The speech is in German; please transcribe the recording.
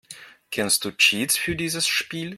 Kennst du Cheats für dieses Spiel?